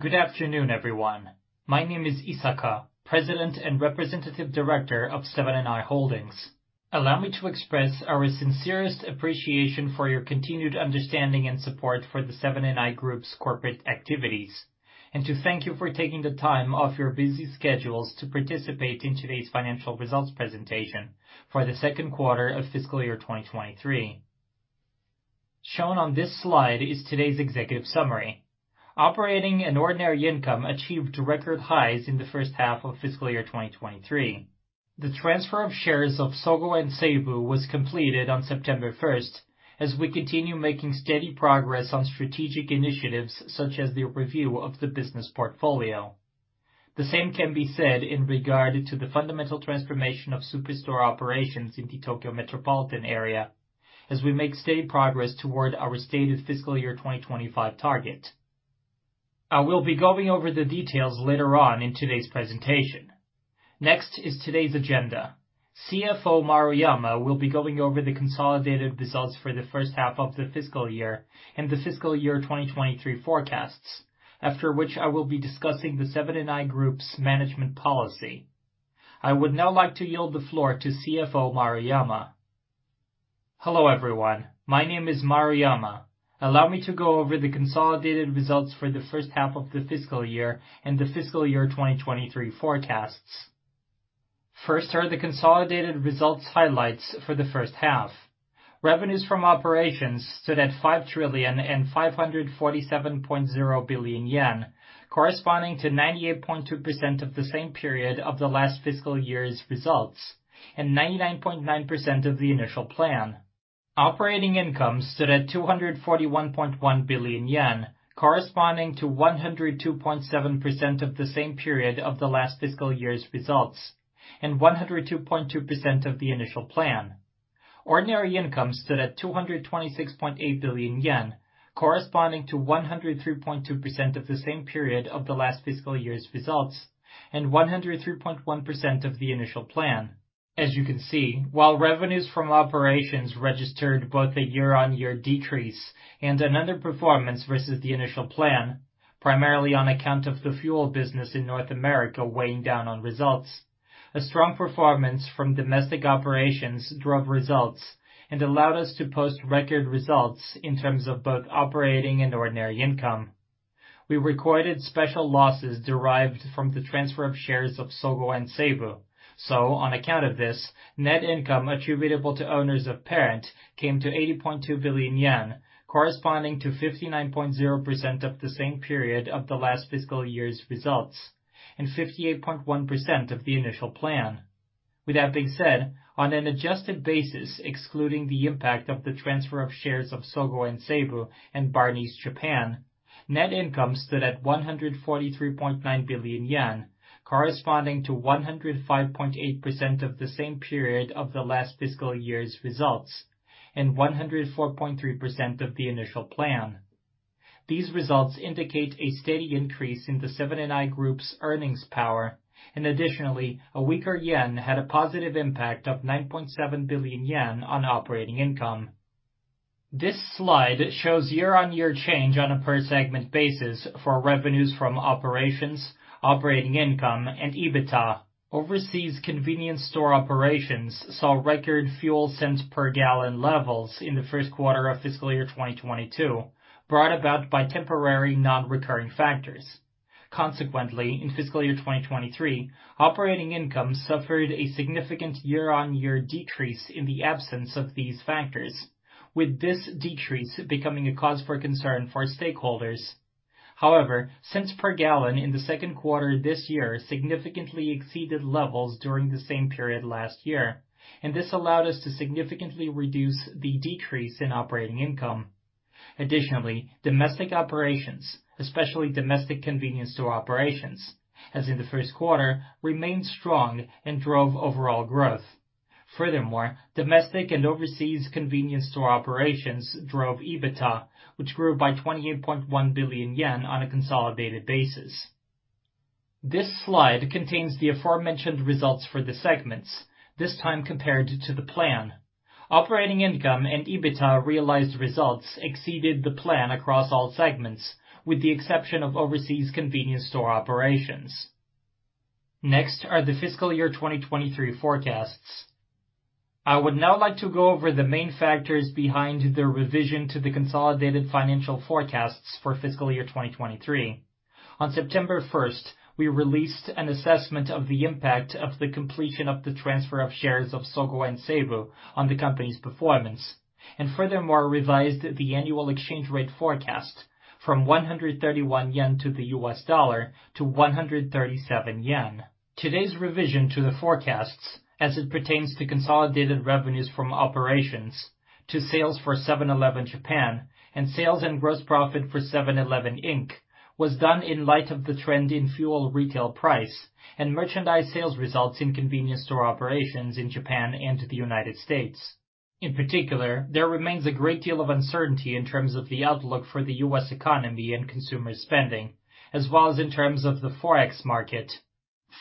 Good afternoon, everyone. My name is Isaka, President and Representative Director of Seven & i Holdings. Allow me to express our sincerest appreciation for your continued understanding and support for the Seven & i Group's corporate activities, and to thank you for taking the time off your busy schedules to participate in today's financial results presentation for the second quarter of fiscal year 2023. Shown on this slide is today's executive summary. Operating and ordinary income achieved record highs in the first half of fiscal year 2023. The transfer of shares of Sogo & Seibu was completed on September 1st, as we continue making steady progress on strategic initiatives, such as the review of the business portfolio. The same can be said in regard to the fundamental transformation of Superstore operations in the Tokyo Metropolitan area, as we make steady progress toward our stated fiscal year 2025 target. I will be going over the details later on in today's presentation. Next is today's agenda. CFO Maruyama will be going over the consolidated results for the first half of the fiscal year and the fiscal year 2023 forecasts, after which I will be discussing the Seven & i Group's management policy. I would now like to yield the floor to CFO Maruyama. Hello, everyone. My name is Maruyama. Allow me to go over the consolidated results for the first half of the fiscal year and the fiscal year 2023 forecasts. First are the consolidated results highlights for the first half. Revenues from operations stood at 5,547.0 billion yen, corresponding to 98.2% of the same period of the last fiscal year's results, and 99.9% of the initial plan. Operating income stood at 241.1 billion yen, corresponding to 102.7% of the same period of the last fiscal year's results, and 102.2% of the initial plan. Ordinary income stood at 226.8 billion yen, corresponding to 103.2% of the same period of the last fiscal year's results, and 103.1% of the initial plan. As you can see, while revenues from operations registered both a year-on-year decrease and an underperformance versus the initial plan, primarily on account of the fuel business in North America weighing down on results, a strong performance from domestic operations drove results and allowed us to post record results in terms of both operating and ordinary income. We recorded special losses derived from the transfer of shares of Sogo & Seibu. So on account of this, net income attributable to owners of parent came to 80.2 billion yen, corresponding to 59.0% of the same period of the last fiscal year's results, and 58.1% of the initial plan. With that being said, on an adjusted basis, excluding the impact of the transfer of shares of Sogo & Seibu and Barneys Japan, net income stood at 143.9 billion yen, corresponding to 105.8% of the same period of the last fiscal year's results, and 104.3% of the initial plan. These results indicate a steady increase in the Seven & i Group's earnings power, and additionally, a weaker yen had a positive impact of 9.7 billion yen on operating income. This slide shows year-on-year change on a per segment basis for revenues from operations, operating income, and EBITDA. Overseas convenience store operations saw record fuel cents per gallon levels in the first quarter of fiscal year 2022, brought about by temporary non-recurring factors. Consequently, in fiscal year 2023, operating income suffered a significant year-on-year decrease in the absence of these factors, with this decrease becoming a cause for concern for stakeholders. However, cents per gallon in the second quarter this year significantly exceeded levels during the same period last year, and this allowed us to significantly reduce the decrease in operating income. Additionally, domestic operations, especially domestic convenience store operations, as in the first quarter, remained strong and drove overall growth. Furthermore, domestic and overseas convenience store operations drove EBITDA, which grew by 28.1 billion yen on a consolidated basis. This slide contains the aforementioned results for the segments, this time compared to the plan. Operating income and EBITDA realized results exceeded the plan across all segments, with the exception of overseas convenience store operations. Next are the fiscal year 2023 forecasts. I would now like to go over the main factors behind the revision to the consolidated financial forecasts for fiscal year 2023. On September 1st, we released an assessment of the impact of the completion of the transfer of shares of Sogo & Seibu on the company's performance, and furthermore revised the annual exchange rate forecast from 131 yen to the US dollar to 137 yen. Today's revision to the forecasts as it pertains to consolidated revenues from operations to sales for 7-Eleven Japan and sales and gross profit for 7-Eleven, Inc., was done in light of the trend in fuel retail price and merchandise sales results in convenience store operations in Japan and the United States. In particular, there remains a great deal of uncertainty in terms of the outlook for the U.S. economy and consumer spending, as well as in terms of the Forex market.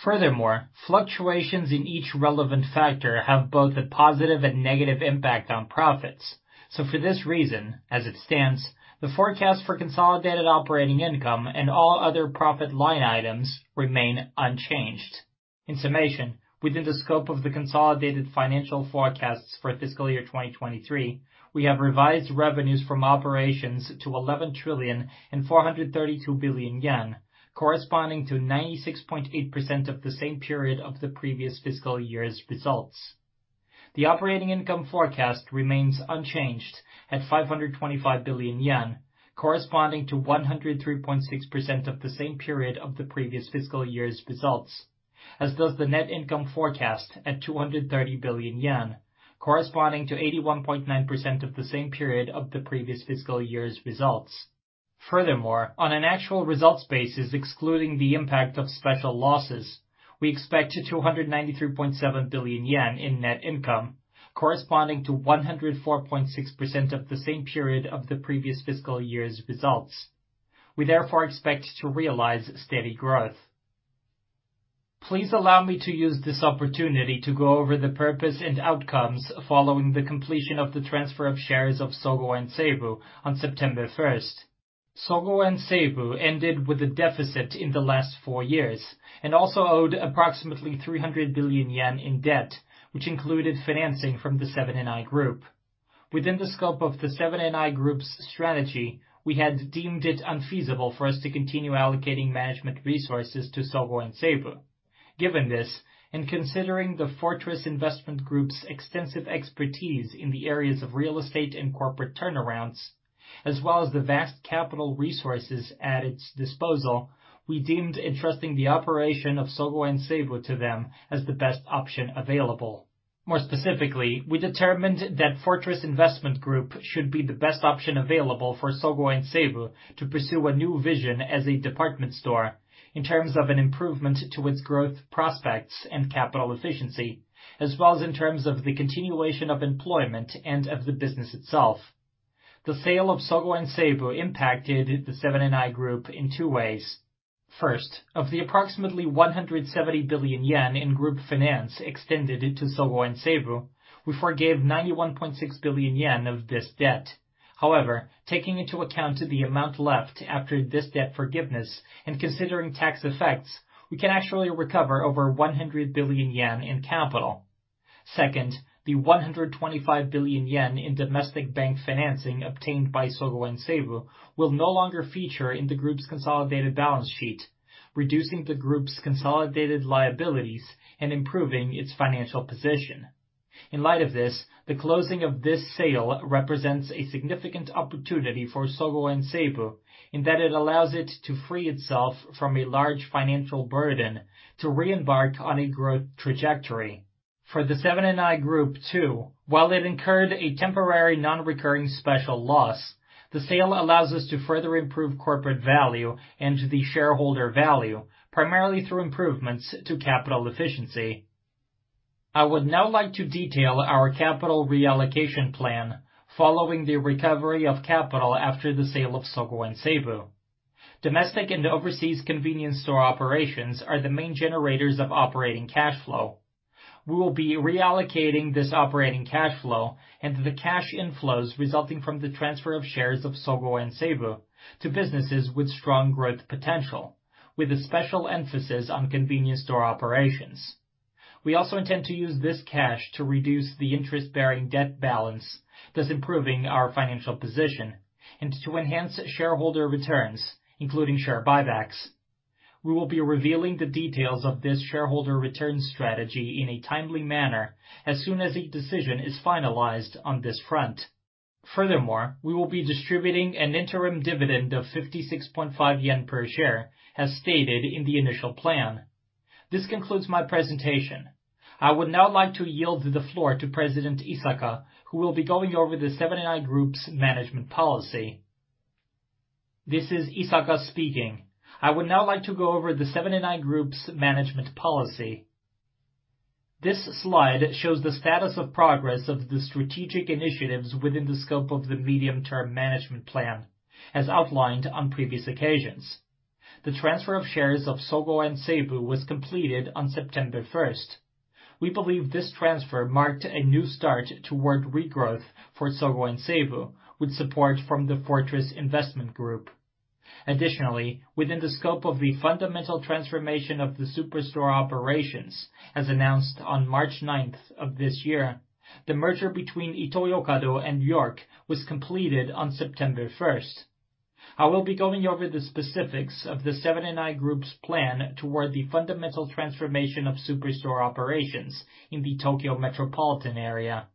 Furthermore, fluctuations in each relevant factor have both a positive and negative impact on profits. So for this reason, as it stands, the forecast for consolidated operating income and all other profit line items remain unchanged. In summation, within the scope of the consolidated financial forecasts for fiscal year 2023, we have revised revenues from operations to 11,432 billion yen, corresponding to 96.8% of the same period of the previous fiscal year's results. The operating income forecast remains unchanged at 525 billion yen, corresponding to 103.6% of the same period of the previous fiscal year's results, as does the net income forecast at 230 billion yen, corresponding to 81.9% of the same period of the previous fiscal year's results. Furthermore, on an actual results basis, excluding the impact of special losses, we expect to 293.7 billion yen in net income, corresponding to 104.6% of the same period of the previous fiscal year's results. We therefore expect to realize steady growth. Please allow me to use this opportunity to go over the purpose and outcomes following the completion of the transfer of shares of Sogo & Seibu on September 1st. Sogo & Seibu ended with a deficit in the last four years and also owed approximately 300 billion yen in debt, which included financing from the Seven & i Holdings. Within the scope of the Seven & i Holdings' strategy, we had deemed it unfeasible for us to continue allocating management resources to Sogo & Seibu. Given this, and considering the Fortress Investment Group's extensive expertise in the areas of real estate and corporate turnarounds, as well as the vast capital resources at its disposal, we deemed entrusting the operation of Sogo & Seibu to them as the best option available. More specifically, we determined that Fortress Investment Group should be the best option available for Sogo & Seibu to pursue a new vision as a department store in terms of an improvement to its growth, prospects, and capital efficiency, as well as in terms of the continuation of employment and of the business itself. The sale of Sogo & Seibu impacted the Seven & i Group in two ways. First, of the approximately 170 billion yen in group finance extended to Sogo & Seibu, we forgave 91.6 billion yen of this debt. However, taking into account the amount left after this debt forgiveness and considering tax effects, we can actually recover over 100 billion yen in capital. Second, the 125 billion yen in domestic bank financing obtained by Sogo & Seibu will no longer feature in the group's consolidated balance sheet, reducing the group's consolidated liabilities and improving its financial position. In light of this, the closing of this sale represents a significant opportunity for Sogo & Seibu in that it allows it to free itself from a large financial burden to re-embark on a growth trajectory. For the Seven & i Group, too, while it incurred a temporary, non-recurring special loss, the sale allows us to further improve corporate value and the shareholder value, primarily through improvements to capital efficiency. I would now like to detail our capital reallocation plan following the recovery of capital after the sale of Sogo & Seibu. Domestic and overseas convenience store operations are the main generators of operating cash flow. We will be reallocating this operating cash flow and the cash inflows resulting from the transfer of shares of Sogo & Seibu to businesses with strong growth potential, with a special emphasis on convenience store operations. We also intend to use this cash to reduce the interest-bearing debt balance, thus improving our financial position and to enhance shareholder returns, including share buybacks. We will be revealing the details of this shareholder return strategy in a timely manner as soon as a decision is finalized on this front. Furthermore, we will be distributing an interim dividend of 56.5 yen per share, as stated in the initial plan. This concludes my presentation. I would now like to yield the floor to President Isaka, who will be going over the Seven & i Group's management policy. This is Isaka speaking. I would now like to go over the Seven & i Group's management policy. This slide shows the status of progress of the strategic initiatives within the scope of the medium-term management plan, as outlined on previous occasions. The transfer of shares of Sogo & Seibu was completed on September 1st. We believe this transfer marked a new start toward regrowth for Sogo & Seibu, with support from the Fortress Investment Group. Additionally, within the scope of the fundamental transformation of the superstore operations, as announced on March 9th of this year, the merger between Ito-Yokado and York was completed on September 1st. I will be going over the specifics of the Seven & i Group's plan toward the fundamental transformation of superstore operations in the Tokyo Metropolitan area.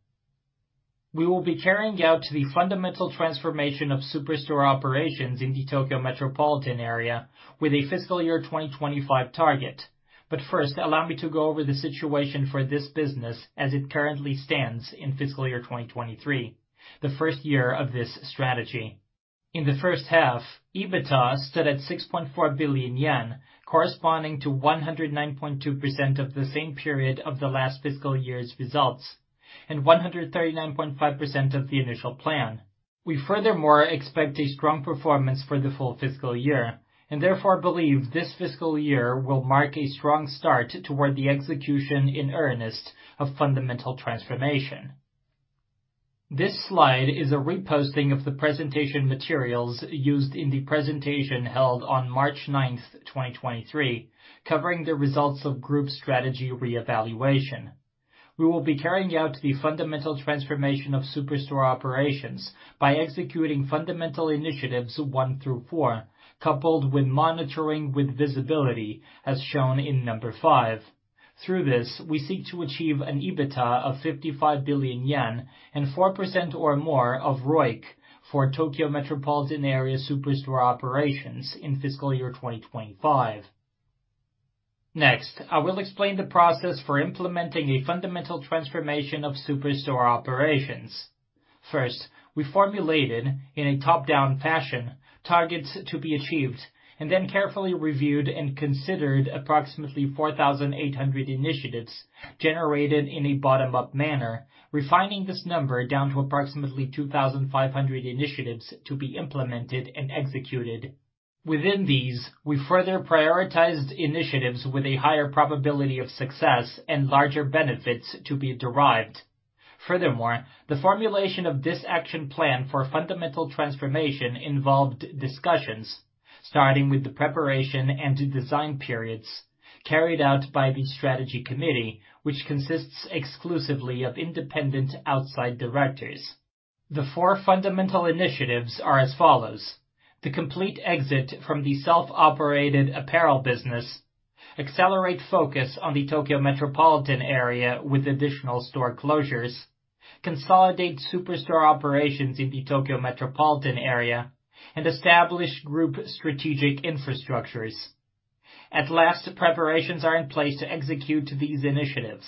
We will be carrying out the fundamental transformation of superstore operations in the Tokyo Metropolitan area with a fiscal year 2025 target. But first, allow me to go over the situation for this business as it currently stands in fiscal year 2023, the first year of this strategy. In the first half, EBITDA stood at 6.4 billion yen, corresponding to 109.2% of the same period of the last fiscal year's results, and 139.5% of the initial plan. We furthermore expect a strong performance for the full fiscal year, and therefore believe this fiscal year will mark a strong start toward the execution in earnest of fundamental transformation. This slide is a reposting of the presentation materials used in the presentation held on March 9th, 2023, covering the results of group strategy reevaluation. We will be carrying out the fundamental transformation of superstore operations by executing fundamental initiatives one through four, coupled with monitoring with visibility, as shown in number five. Through this, we seek to achive an EBITDA of 55 billion yen and 4% or more of ROIC for Tokyo Metropolitan area superstore operations in fiscal year 2025. Next, I will explain the process for implementing a fundamental transformation of superstore operations. First, we formulated in a top-down fashion, targets to be achieved, and then carefully reviewed and considered approximately 4,800 initiatives generated in a bottom-up manner, refining this number down to approximately 2,500 initiatives to be implemented and executed. Within these, we further prioritized initiatives with a higher probability of success and larger benefits to be derived. Furthermore, the formulation of this action plan for fundamental transformation involved discussions, starting with the preparation and design periods carried out by the strategy committee, which consists exclusively of independent outside directors. The four fundamental initiatives are as follows: the complete exit from the self-operated apparel business, accelerate focus on the Tokyo Metropolitan area with additional store closures, consolidate superstore operations in the Tokyo Metropolitan area, and establish group strategic infrastructures. At last, preparations are in place to execute these initiatives.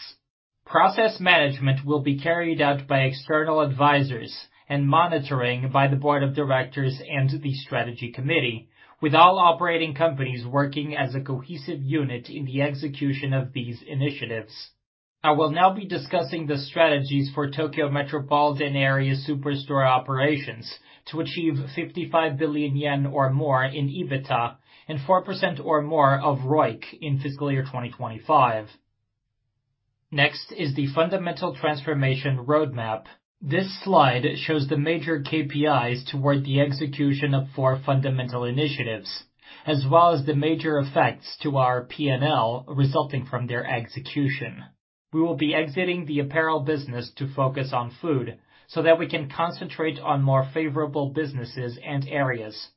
Process management will be carried out by external advisors and monitoring by the board of directors and the strategy committee, with all operating companies working as a cohesive unit in the execution of these initiatives. I will now be discussing the strategies for Tokyo Metropolitan area superstore operations to achieve 55 billion yen or more in EBITDA and 4% or more of ROIC in fiscal year 2025. Next is the fundamental transformation roadmap. This slide shows the major KPIs toward the execution of four fundamental initiatives, as well as the major effects to our PNL resulting from their execution. We will be exiting the apparel business to focus on food so that we can concentrate on more favorable businesses and areas.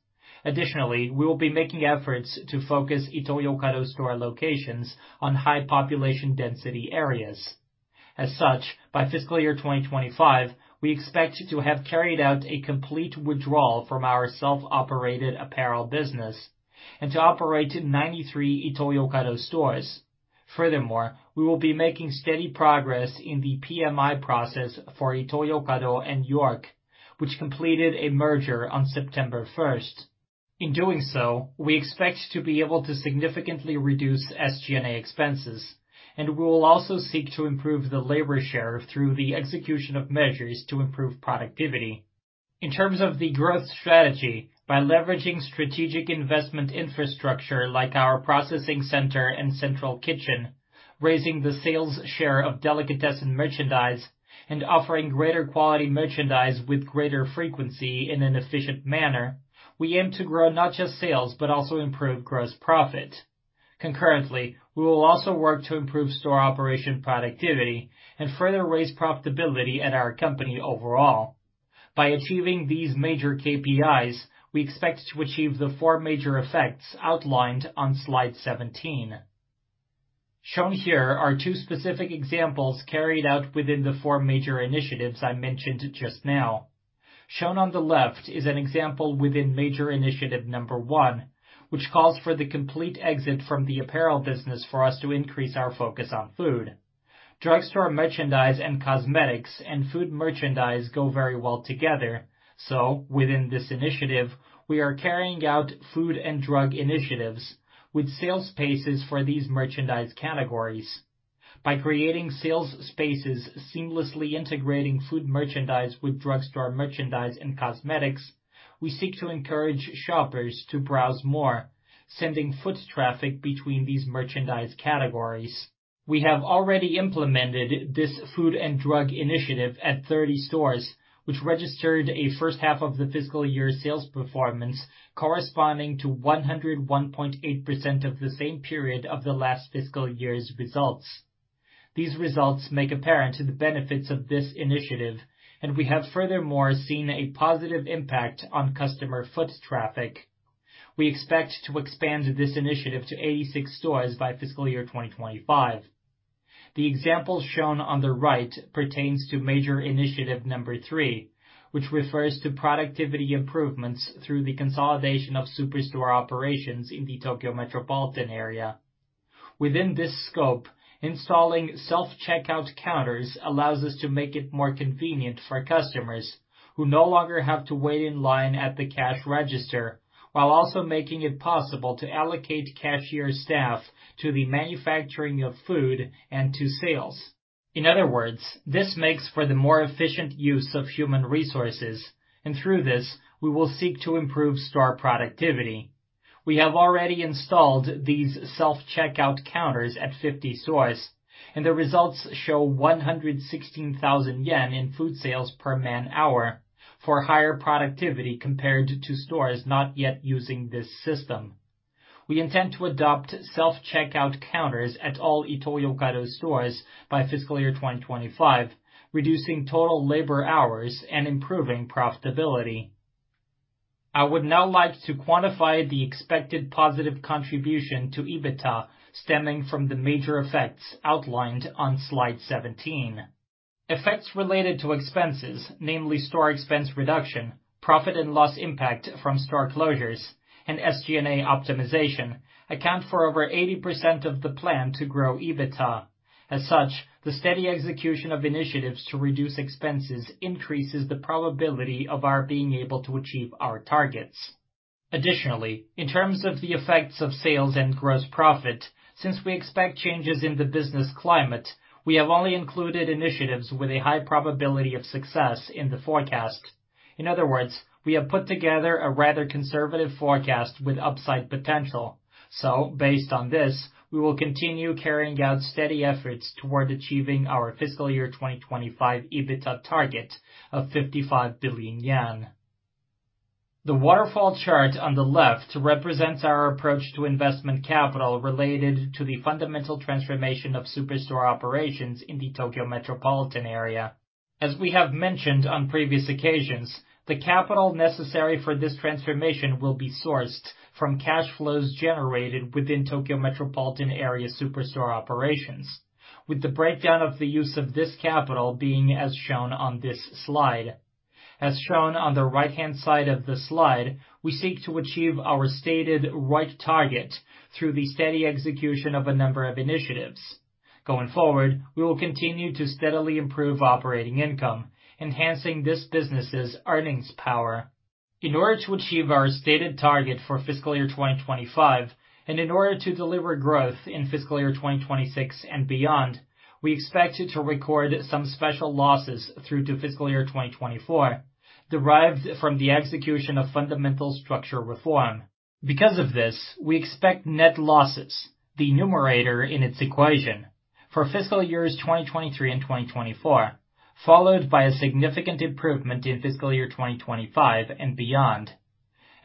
Additionally, we will be making efforts to focus Ito-Yokado store locations on high population density areas. As such, by fiscal year 2025, we expect to have carried out a complete withdrawal from our self-operated apparel business and to operate 93 Ito-Yokado stores. Furthermore, we will be making steady progress in the PMI process for Ito-Yokado and York, which completed a merger on September 1st. In doing so, we expect to be able to significantly reduce SG&A expenses, and we will also seek to improve the labor share through the execution of measures to improve productivity. In terms of the growth strategy, by leveraging strategic investment infrastructure like our processing center and central kitchen, raising the sales share of delicatessen merchandise and offering greater quality merchandise with greater frequency in an efficient manner, we aim to grow not just sales, but also improve gross profit. Concurrently, we will also work to improve store operation productivity and further raise profitability at our company overall. By achieving these major KPIs, we expect to achieve the four major effects outlined on slide 17. Shown here are two specific examples carried out within the four major initiatives I mentioned just now. Shown on the left is an example within major initiative number one, which calls for the complete exit from the apparel business for us to increase our focus on food. Drugstore merchandise and cosmetics and food merchandise go very well together. So within this initiative, we are carrying out food and drug initiatives with sales spaces for these merchandise categories. By creating sales spaces seamlessly integrating food merchandise with drugstore merchandise and cosmetics, we seek to encourage shoppers to browse more, sending foot traffic between these merchandise categories. We have already implemented this food and drug initiative at 30 stores, which registered a first half of the fiscal year sales performance corresponding to 101.8% of the same period of the last fiscal year's results. These results make apparent the benefits of this initiative, and we have furthermore seen a positive impact on customer foot traffic. We expect to expand this initiative to 86 stores by fiscal year 2025. The example shown on the right pertains to major initiative number three, which refers to productivity improvements through the consolidation of superstore operations in the Tokyo Metropolitan area. Within this scope, installing self-checkout counters allows us to make it more convenient for customers who no longer have to wait in line at the cash register, while also making it possible to allocate cashier staff to the manufacturing of food and to sales. In other words, this makes for the more efficient use of human resources, and through this, we will seek to improve store productivity. We have already installed these self-checkout counters at 50 stores, and the results show 116,000 yen in food sales per man-hour for higher productivity compared to stores not yet using this system. We intend to adopt self-checkout counters at all Ito-Yokado stores by fiscal year 2025, reducing total labor hours and improving profitability. I would now like to quantify the expected positive contribution to EBITDA stemming from the major effects outlined on slide 17. Effects related to expenses, namely store expense reduction, profit and loss impact from store closures, and SG&A optimization, account for over 80% of the plan to grow EBITDA. As such, the steady execution of initiatives to reduce expenses increases the probability of our being able to achieve our targets. Additionally, in terms of the effects of sales and gross profit, since we expect changes in the business climate, we have only included initiatives with a high probability of success in the forecast. In other words, we have put together a rather conservative forecast with upside potential. So based on this, we will continue carrying out steady efforts toward achieving our fiscal year 2025 EBITDA target of 55 billion yen. The waterfall chart on the left represents our approach to investment capital related to the fundamental transformation of superstore operations in the Tokyo Metropolitan area. As we have mentioned on previous occasions, the capital necessary for this transformation will be sourced from cash flows generated within Tokyo Metropolitan area superstore operations, with the breakdown of the use of this capital being as shown on this slide. As shown on the right-hand side of the slide, we seek to achieve our stated right target through the steady execution of a number of initiatives. Going forward, we will continue to steadily improve operating income, enhancing this business's earnings power. In order to achieve our stated target for fiscal year 2025, and in order to deliver growth in fiscal year 2026 and beyond, we expect to record some special losses through to fiscal year 2024, derived from the execution of fundamental structural reform. Because of this, we expect net losses, the numerator in its equation, for fiscal years 2023 and 2024, followed by a significant improvement in fiscal year 2025 and beyond.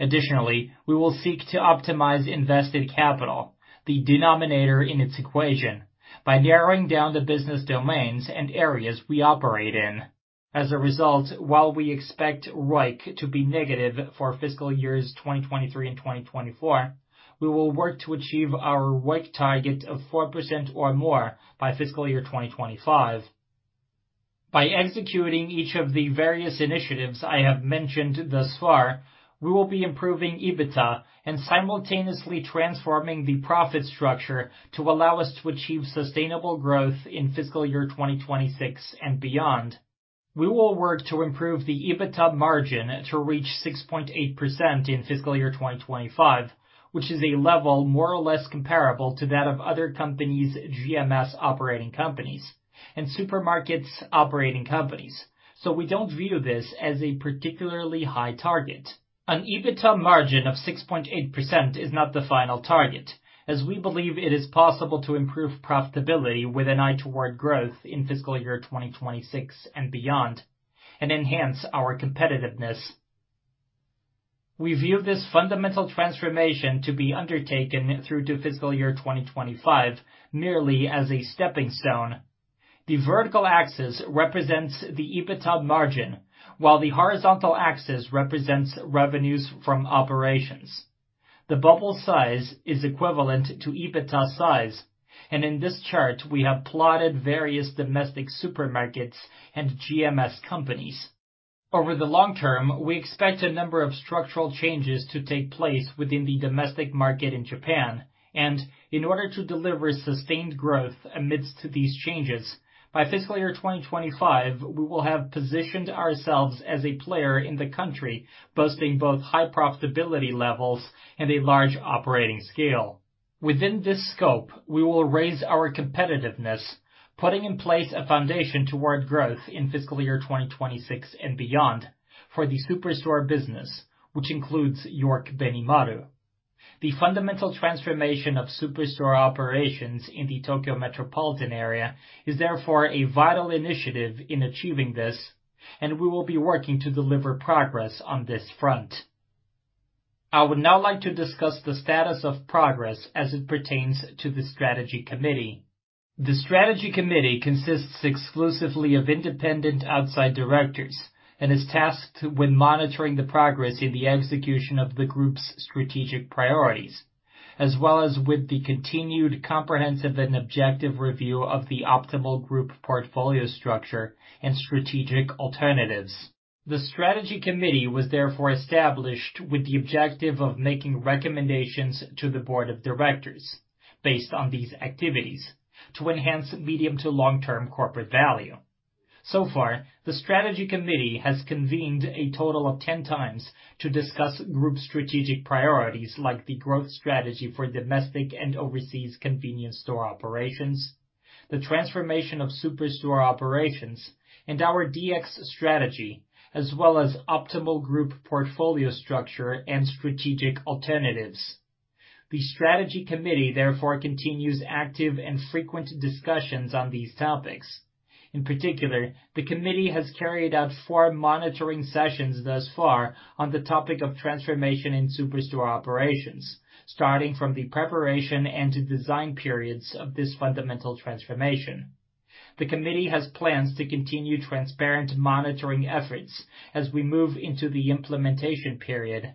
Additionally, we will seek to optimize invested capital, the denominator in its equation, by narrowing down the business domains and areas we operate in. As a result, while we expect ROIC to be negative for fiscal years 2023 and 2024, we will work to achieve our ROIC target of 4% or more by fiscal year 2025. By executing each of the various initiatives I have mentioned thus far, we will be improving EBITDA and simultaneously transforming the profit structure to allow us to achieve sustainable growth in fiscal year 2026 and beyond. We will work to improve the EBITDA margin to reach 6.8% in fiscal year 2025, which is a level more or less comparable to that of other companies' GMS operating companies and supermarkets operating companies, so we don't view this as a particularly high target. An EBITDA margin of 6.8% is not the final target, as we believe it is possible to improve profitability with an eye toward growth in fiscal year 2026 and beyond and enhance our competitiveness. We view this fundamental transformation to be undertaken through to fiscal year 2025, merely as a stepping stone. The vertical axis represents the EBITDA margin, while the horizontal axis represents revenues from operations. The bubble size is equivalent to EBITDA size, and in this chart, we have plotted various domestic supermarkets and GMS companies. Over the long term, we expect a number of structural changes to take place within the domestic market in Japan, and in order to deliver sustained growth amidst these changes, by fiscal year 2025, we will have positioned ourselves as a player in the country, boasting both high profitability levels and a large operating scale. Within this scope, we will raise our competitiveness, putting in place a foundation toward growth in fiscal year 2026 and beyond for the superstore business, which includes York Benimaru. The fundamental transformation of superstore operations in the Tokyo Metropolitan area is therefore a vital initiative in achieving this, and we will be working to deliver progress on this front. I would now like to discuss the status of progress as it pertains to the strategy committee. The strategy committee consists exclusively of independent outside directors and is tasked with monitoring the progress in the execution of the group's strategic priorities, as well as with the continued comprehensive and objective review of the optimal group portfolio structure and strategic alternatives. The strategy committee was therefore established with the objective of making recommendations to the board of directors based on these activities to enhance medium to long-term corporate value. So far, the strategy committee has convened a total of 10 times to discuss group strategic priorities, like the growth strategy for domestic and overseas convenience store operations, the transformation of superstore operations, and our DX strategy, as well as optimal group portfolio structure and strategic alternatives. The strategy committee, therefore, continues active and frequent discussions on these topics. In particular, the committee has carried out four monitoring sessions thus far on the topic of transformation in superstore operations, starting from the preparation and design periods of this fundamental transformation. The committee has plans to continue transparent monitoring efforts as we move into the implementation period.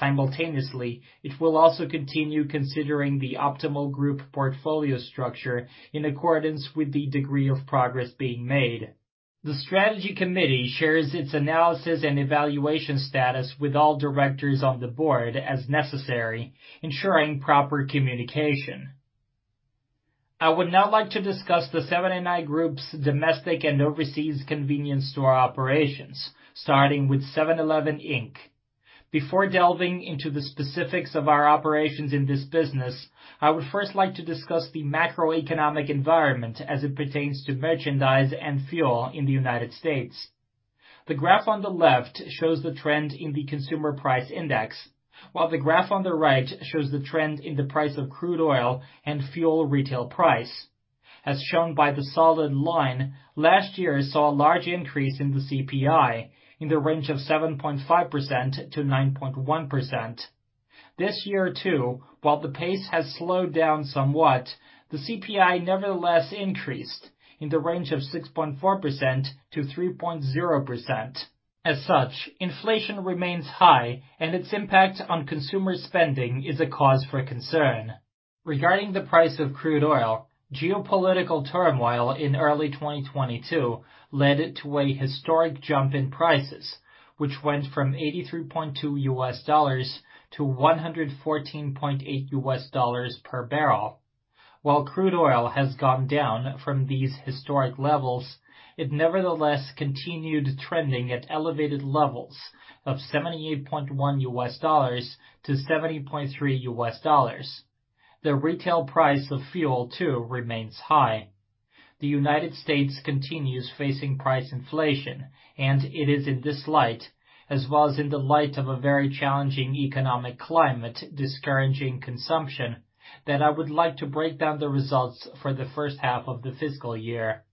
Simultaneously, it will also continue considering the optimal group portfolio structure in accordance with the degree of progress being made. The strategy committee shares its analysis and evaluation status with all directors on the board as necessary, ensuring proper communication. I would now like to discuss the Seven & i Group's domestic and overseas convenience store operations, starting with 7-Eleven, Inc. Before delving into the specifics of our operations in this business, I would first like to discuss the macroeconomic environment as it pertains to merchandise and fuel in the United States. The graph on the left shows the trend in the Consumer Price Index, while the graph on the right shows the trend in the price of crude oil and fuel retail price. As shown by the solid line, last year saw a large increase in the CPI, in the range of 7.5%-9.1%. This year, too, while the pace has slowed down somewhat, the CPI nevertheless increased in the range of 6.4%-3.0%. As such, inflation remains high, and its impact on consumer spending is a cause for concern. Regarding the price of crude oil, geopolitical turmoil in early 2022 led to a historic jump in prices, which went from $83.2-$114.8 per barrel. While crude oil has gone down from these historic levels, it nevertheless continued trending at elevated levels of $78.1-$70.3. The retail price of fuel, too, remains high. The United States continues facing price inflation, and it is in this light, as well as in the light of a very challenging economic climate discouraging consumption, that I would like to break down the results for the first half of the fiscal year.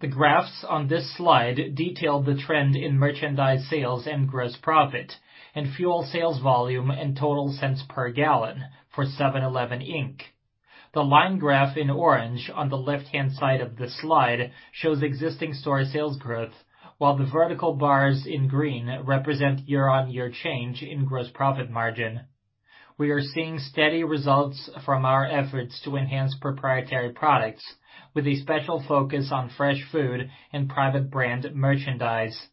The graphs on this slide detail the trend in merchandise sales and gross profit and fuel sales volume and total cents per gallon for 7-Eleven, Inc. The line graph in orange on the left-hand side of the slide shows existing store sales growth, while the vertical bars in green represent year-on-year change in gross profit margin. We are seeing steady results from our efforts to enhance proprietary products, with a special focus on fresh food and private brand merchandise.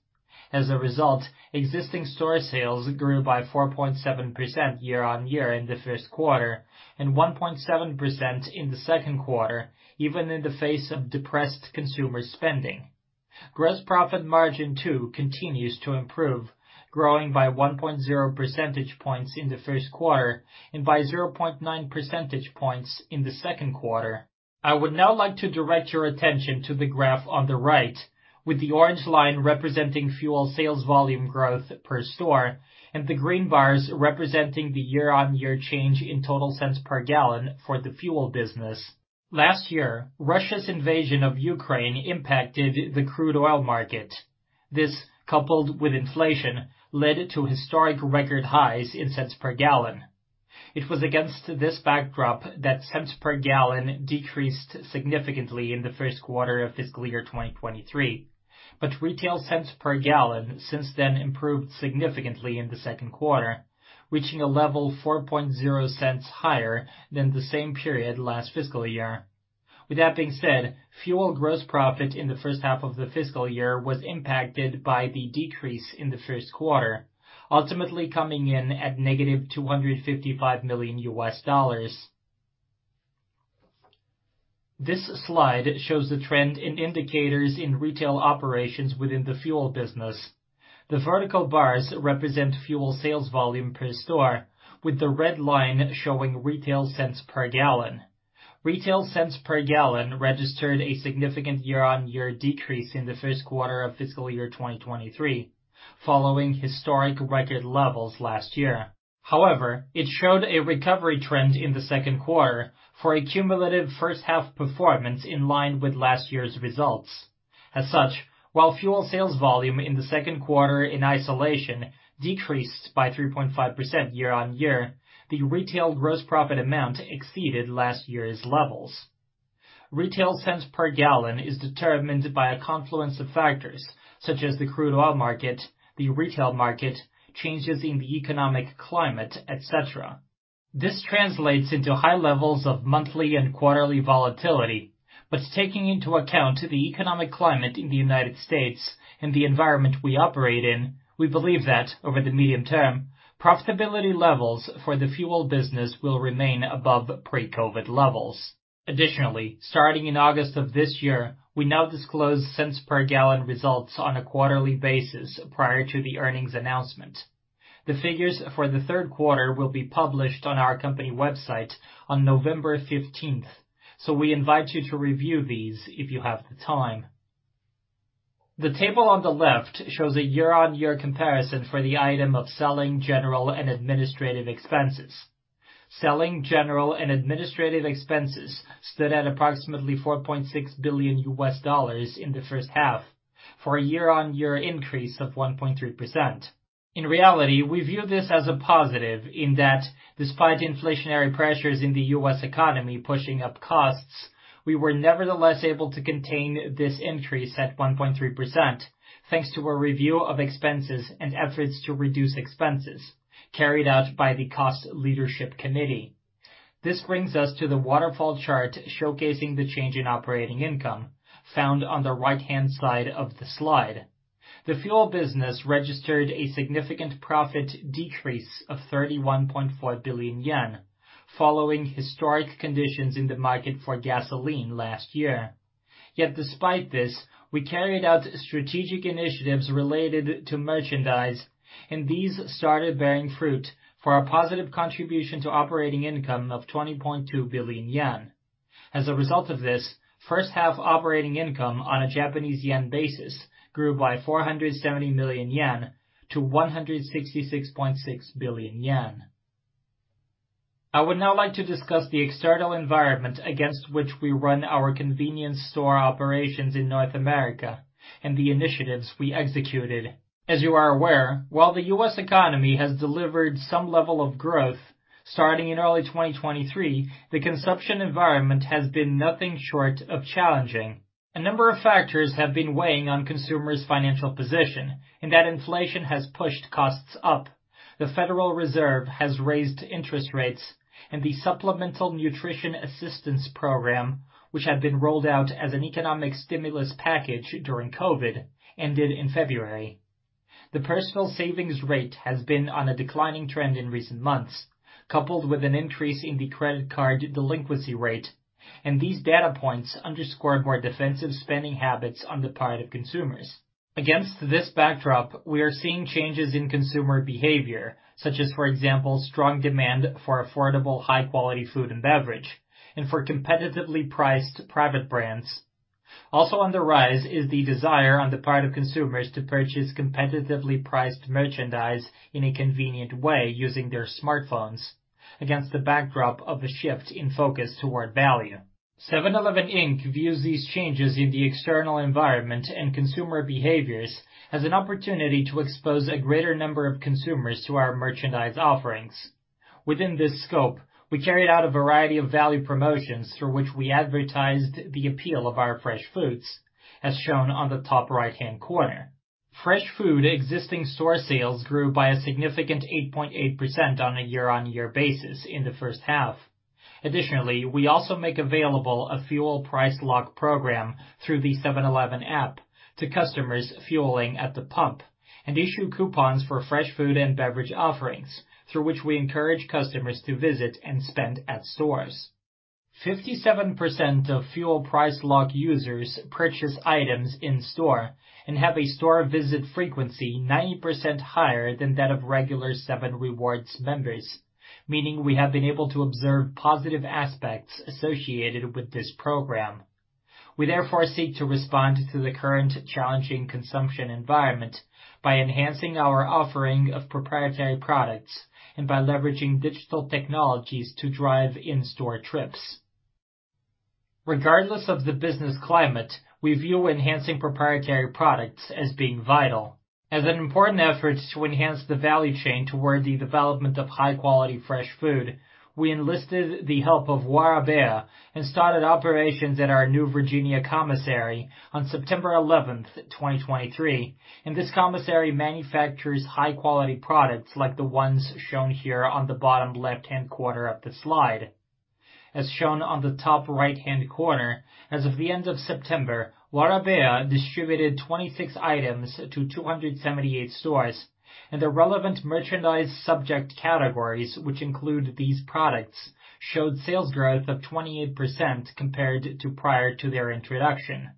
As a result, existing store sales grew by 4.7% year-on-year in the first quarter and 1.7% in the second quarter, even in the face of depressed consumer spending. Gross profit margin, too, continues to improve, growing by 1.0 percentage points in the first quarter and by 0.9 percentage points in the second quarter. I would now like to direct your attention to the graph on the right, with the orange line representing fuel sales volume growth per store and the green bars representing the year-on-year change in total cents per gallon for the fuel business. Last year, Russia's invasion of Ukraine impacted the crude oil market. This, coupled with inflation, led to historic record highs in cents per gallon. It was against this backdrop that cents per gallon decreased significantly in the first quarter of fiscal year 2023, but retail cents per gallon since then improved significantly in the second quarter, reaching a level $4.0 higher than the same period last fiscal year. With that being said, fuel gross profit in the first half of the fiscal year was impacted by the decrease in the first quarter, ultimately coming in at -$255 million. This slide shows the trend in indicators in retail operations within the fuel business. The vertical bars represent fuel sales volume per store, with the red line showing retail cents per gallon. Retail cents per gallon registered a significant year-on-year decrease in the first quarter of fiscal year 2023, following historic record levels last year. However, it showed a recovery trend in the second quarter for a cumulative first-half performance in line with last year's results. As such, while fuel sales volume in the second quarter in isolation decreased by 3.5% year-on-year, the retail gross profit amount exceeded last year's levels. Retail cents per gallon is determined by a confluence of factors such as the crude oil market, the retail market, changes in the economic climate, et cetera. This translates into high levels of monthly and quarterly volatility. But taking into account the economic climate in the United States and the environment we operate in, we believe that over the medium term, profitability levels for the fuel business will remain above pre-COVID levels. Additionally, starting in August of this year, we now disclose cents per gallon results on a quarterly basis prior to the earnings announcement. The figures for the third quarter will be published on our company website on November 15th, so we invite you to review these if you have the time. The table on the left shows a year-on-year comparison for the item of selling, general, and administrative expenses. Selling, general, and administrative expenses stood at approximately $4.6 billion in the first half, for a year-on-year increase of 1.3%. In reality, we view this as a positive in that despite inflationary pressures in the U.S. economy pushing up costs, we were nevertheless able to contain this increase at 1.3%, thanks to a review of expenses and efforts to reduce expenses carried out by the Cost Leadership Committee. This brings us to the waterfall chart showcasing the change in operating income found on the right-hand side of the slide. The fuel business registered a significant profit decrease of 31.4 billion yen, following historic conditions in the market for gasoline last year. Yet despite this, we carried out strategic initiatives related to merchandise, and these started bearing fruit for a positive contribution to operating income of 20.2 billion yen. As a result of this, first half operating income on a Japanese yen basis grew by 470 million-166.6 billion yen. I would now like to discuss the external environment against which we run our convenience store operations in North America and the initiatives we executed. As you are aware, while the U.S. economy has delivered some level of growth, starting in early 2023, the consumption environment has been nothing short of challenging. A number of factors have been weighing on consumers' financial position, in that inflation has pushed costs up. The Federal Reserve has raised interest rates and the Supplemental Nutrition Assistance Program, which had been rolled out as an economic stimulus package during COVID, ended in February. The personal savings rate has been on a declining trend in recent months, coupled with an increase in the credit card delinquency rate, and these data points underscore more defensive spending habits on the part of consumers. Against this backdrop, we are seeing changes in consumer behavior, such as, for example, strong demand for affordable, high-quality food and beverage, and for competitively priced private brands. Also on the rise is the desire on the part of consumers to purchase competitively priced merchandise in a convenient way, using their smartphones against the backdrop of a shift in focus toward value. 7-Eleven, Inc. views these changes in the external environment and consumer behaviors as an opportunity to expose a greater number of consumers to our merchandise offerings. Within this scope, we carried out a variety of value promotions through which we advertised the appeal of our fresh foods, as shown on the top right-hand corner. Fresh food existing store sales grew by a significant 8.8% on a year-on-year basis in the first half. Additionally, we also make available a fuel Price Lock program through the 7-Eleven app to customers fueling at the pump and issue coupons for fresh food and beverage offerings, through which we encourage customers to visit and spend at stores. 57% of fuel Price Lock users purchase items in store and have a store visit frequency 90% higher than that of regular 7Rewards members, meaning we have been able to observe positive aspects associated with this program. We therefore seek to respond to the current challenging consumption environment by enhancing our offering of proprietary products and by leveraging digital technologies to drive in-store trips. Regardless of the business climate, we view enhancing proprietary products as being vital. As an important effort to enhance the value chain toward the development of high-quality fresh food, we enlisted the help of Warabeya and started operations at our new Virginia commissary on September 11th, 2023, and this commissary manufactures high-quality products like the ones shown here on the bottom left-hand corner of the slide. As shown on the top right-hand corner, as of the end of September, Warabeya distributed 26 items to 278 stores, and the relevant merchandise subject categories, which include these products, showed sales growth of 28% compared to prior to their introduction.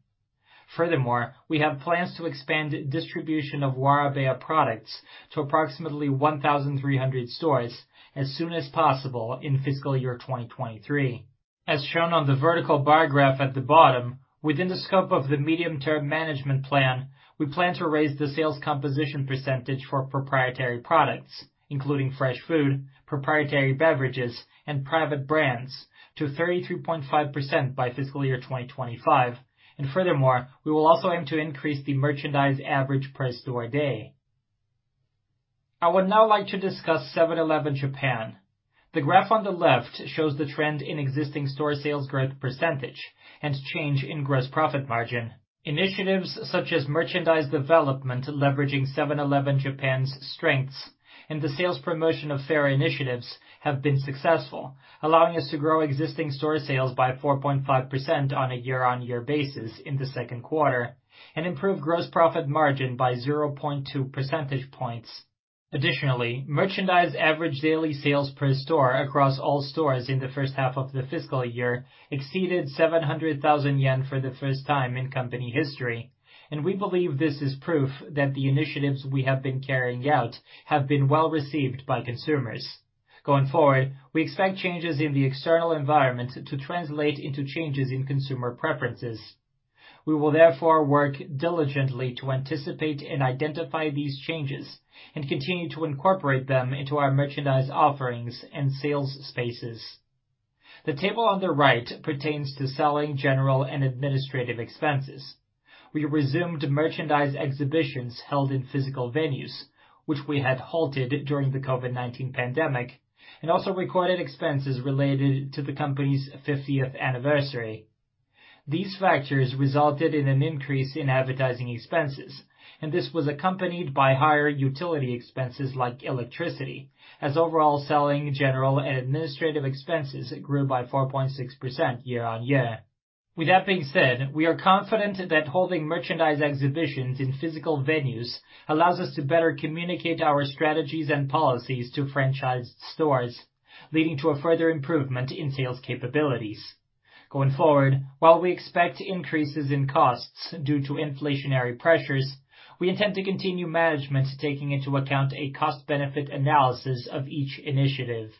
Furthermore, we have plans to expand distribution of Warabeya products to approximately 1,300 stores as soon as possible in fiscal year 2023. As shown on the vertical bar graph at the bottom, within the scope of the medium-term management plan, we plan to raise the sales composition percentage for proprietary products, including fresh food, proprietary beverages, and private brands, to 33.5% by fiscal year 2025. Furthermore, we will also aim to increase the merchandise average price through our day. I would now like to discuss 7-Eleven Japan. The graph on the left shows the trend in existing store sales growth % and change in gross profit margin. Initiatives such as merchandise development, leveraging 7-Eleven Japan's strengths, and the sales promotion of fair initiatives have been successful, allowing us to grow existing store sales by 4.5% on a year-on-year basis in the second quarter and improve gross profit margin by 0.2 percentage points. Additionally, merchandise average daily sales per store across all stores in the first half of the fiscal year exceeded 700,000 yen for the first time in company history, and we believe this is proof that the initiatives we have been carrying out have been well-received by consumers. Going forward, we expect changes in the external environment to translate into changes in consumer preferences. We will therefore work diligently to anticipate and identify these changes and continue to incorporate them into our merchandise offerings and sales spaces. The table on the right pertains to selling, general, and administrative expenses. We resumed merchandise exhibitions held in physical venues, which we had halted during the COVID-19 pandemic, and also recorded expenses related to the company's 50th anniversary. These factors resulted in an increase in advertising expenses, and this was accompanied by higher utility expenses like electricity, as overall selling, general, and administrative expenses grew by 4.6% year-on-year. With that being said, we are confident that holding merchandise exhibitions in physical venues allows us to better communicate our strategies and policies to franchised stores, leading to a further improvement in sales capabilities. Going forward, while we expect increases in costs due to inflationary pressures, we intend to continue management, taking into account a cost-benefit analysis of each initiative.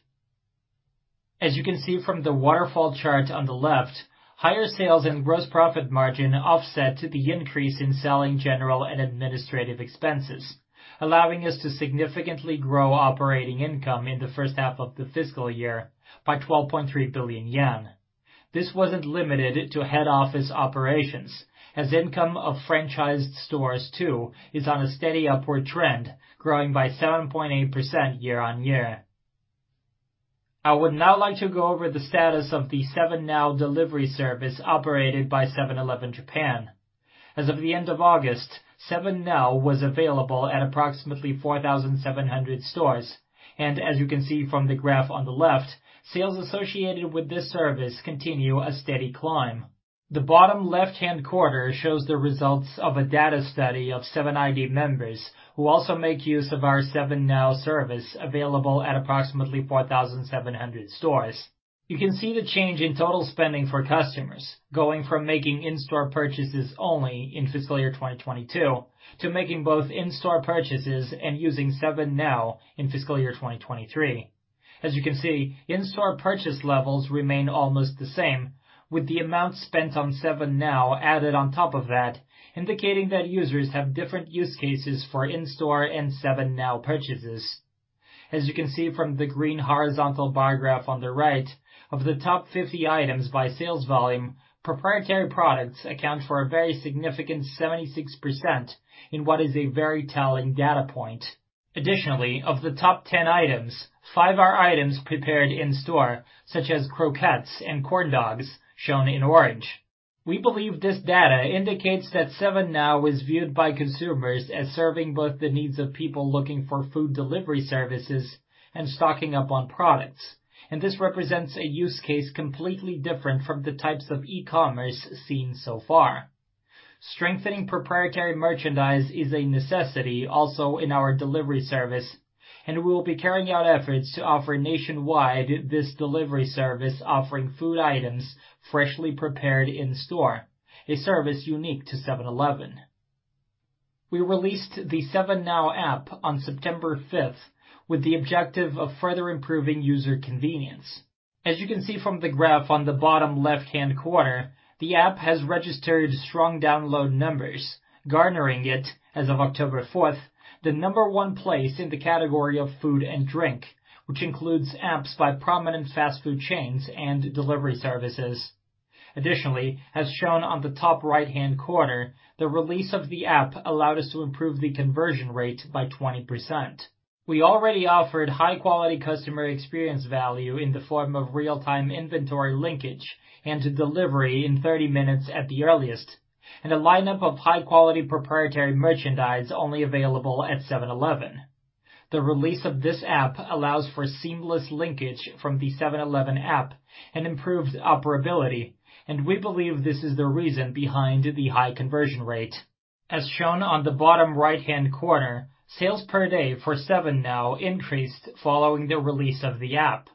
As you can see from the waterfall chart on the left, higher sales and gross profit margin offset the increase in selling, general, and administrative expenses, allowing us to significantly grow operating income in the first half of the fiscal year by 12.3 billion yen. This wasn't limited to head office operations, as income of franchised stores, too, is on a steady upward trend, growing by 7.8% year-on-year. I would now like to go over the status of the 7NOW delivery service operated by 7-Eleven Japan. As of the end of August, 7NOW was available at approximately 4,700 stores, and as you can see from the graph on the left, sales associated with this service continue a steady climb. The bottom left-hand quarter shows the results of a data study of 7ID members who also make use of our 7NOW service, available at approximately 4,700 stores. You can see the change in total spending for customers, going from making in-store purchases only in fiscal year 2022 to making both in-store purchases and using 7NOW in fiscal year 2023. As you can see, in-store purchase levels remain almost the same, with the amount spent on 7NOW added on top of that, indicating that users have different use cases for in-store and 7NOW purchases. As you can see from the green horizontal bar graph on the right, of the top 50 items by sales volume, proprietary products account for a very significant 76% in what is a very telling data point. Additionally, of the top 10 items, five are items prepared in store, such as croquettes and corn dogs, shown in orange. We believe this data indicates that 7NOW is viewed by consumers as serving both the needs of people looking for food delivery services and stocking up on products, and this represents a use case completely different from the types of e-commerce seen so far. Strengthening proprietary merchandise is a necessity also in our delivery service, and we will be carrying out efforts to offer nationwide this delivery service, offering food items freshly prepared in store, a service unique to 7-Eleven. We released the 7NOW app on September 5th, with the objective of further improving user convenience. As you can see from the graph on the bottom left-hand corner, the app has registered strong download numbers, garnering it, as of October 4th, the number one place in the category of food and drink, which includes apps by prominent fast food chains and delivery services. Additionally, as shown on the top right-hand corner, the release of the app allowed us to improve the conversion rate by 20%. We already offered high-quality customer experience value in the form of real-time inventory linkage and delivery in 30 minutes at the earliest, and a lineup of high-quality proprietary merchandise only available at 7-Eleven. The release of this app allows for seamless linkage from the 7-Eleven app and improved operability, and we believe this is the reason behind the high conversion rate. As shown on the bottom right-hand corner, sales per day for 7NOW increased following the release of the app.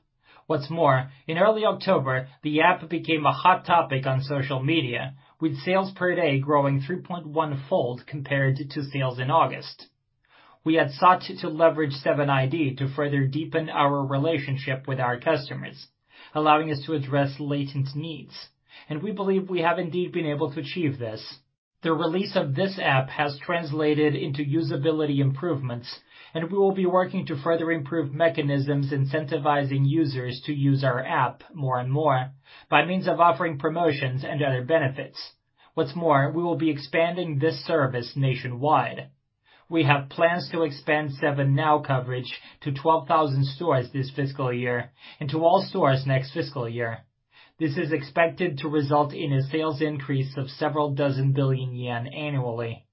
What's more, in early October, the app became a hot topic on social media, with sales per day growing 3.1-fold compared to sales in August. We had sought to leverage 7ID to further deepen our relationship with our customers, allowing us to address latent needs, and we believe we have indeed been able to achieve this. The release of this app has translated into usability improvements, and we will be working to further improve mechanisms, incentivizing users to use our app more and more by means of offering promotions and other benefits. What's more, we will be expanding this service nationwide. We have plans to expand 7NOW coverage to 12,000 stores this fiscal year and to all stores next fiscal year. This is expected to result in a sales increase of several dozen billion JPY annually.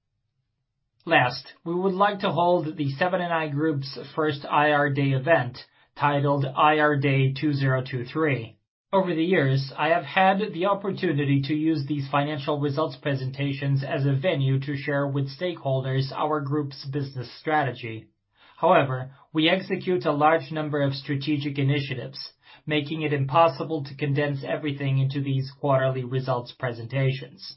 Last, we would like to hold the Seven & i Group's first IR Day event, titled IR Day 2023. Over the years, I have had the opportunity to use these financial results presentations as a venue to share with stakeholders our group's business strategy. However, we execute a large number of strategic initiatives, making it impossible to condense everything into these quarterly results presentations.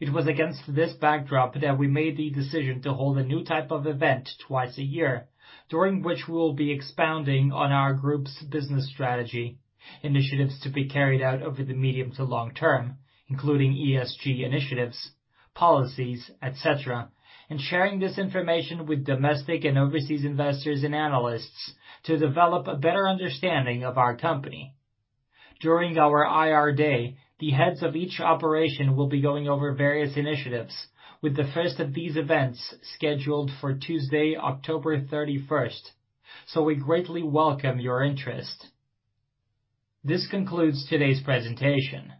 It was against this backdrop that we made the decision to hold a new type of event twice a year, during which we will be expounding on our group's business strategy, initiatives to be carried out over the medium to long term, including ESG initiatives, policies, et cetera, and sharing this information with domestic and overseas investors and analysts to develop a better understanding of our company. During our IR day, the heads of each operation will be going over various initiatives, with the first of these events scheduled for Tuesday, October 31st. So we greatly welcome your interest. This concludes today's presentation.